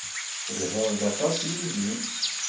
Telhiḍ aṭas yid-i.